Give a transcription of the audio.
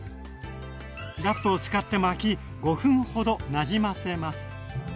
ラップを使って巻き５分ほどなじませます。